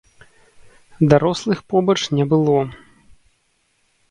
Дарослых побач не было.